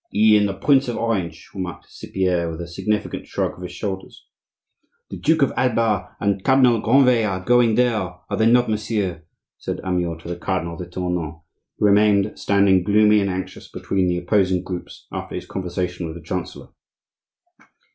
"He and the Prince of Orange," remarked Cypierre, with a significant shrug of his shoulders. "The Duke of Alba and Cardinal Granvelle are going there, are they not, monsieur?" said Amyot to the Cardinal de Tournon, who remained standing, gloomy and anxious between the opposing groups after his conversation with the chancellor.